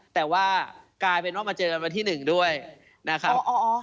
แต่ว่ากลายเป็นว่ามาเจอกันวันที่๑ด้วยนะครับ